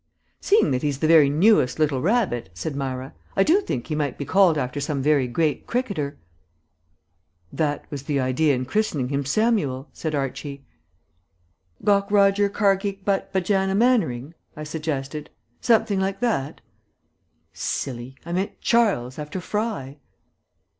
"Seeing that he's the very newest little Rabbit," said Myra, "I do think he might be called after some very great cricketer." "That was the idea in christening him 'Samuel,'" said Archie. "Gaukrodger Carkeek Butt Bajana Mannering," I suggested "something like that?" "Silly; I meant 'Charles,' after Fry."